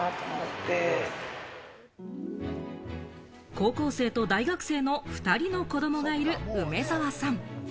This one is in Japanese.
高校生と大学生の２人の子供がいる梅澤さん。